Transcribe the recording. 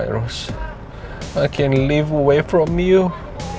saya harap myros memaafkan semua kesalahan yang pernah aku lakukan ke putri